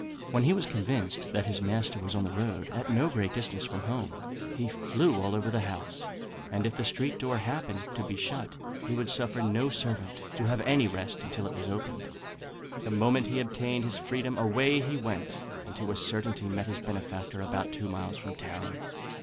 When he was convinced that his master was on the road, at no great distance from home, he flew all over the house; and if the street door happened to be shut, he would suffer no servant to have any rest until it was opened. The moment he obtained his freedom away he went, and to a certainty met his benefactor about two miles from town.